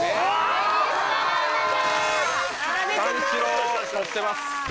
三四郎取ってます。